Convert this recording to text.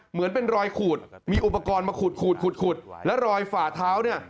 เหมือนเป็นรอยขูดมีอุปกรณ์มาขูดขูดและรอยฝ่าเท้าเนี่ย